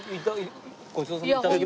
ごちそうさま。